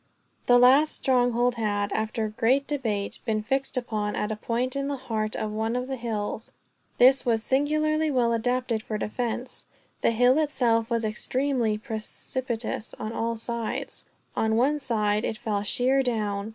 The last stronghold had, after a great debate, been fixed upon at a point in the heart of one of the hills. This was singularly well adapted for defense The hill itself was extremely precipitous on all sides. On one side, it fell sheer down.